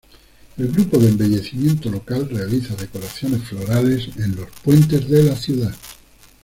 El grupo de embellecimiento local realiza decoraciones florales en los puentes de la ciudad.